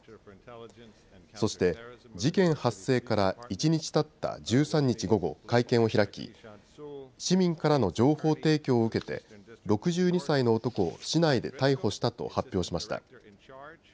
そして事件発生から一日たった１３日午後、会見を開き市民からの情報提供を受けて６２歳の男を市内で逮捕したと発表しました。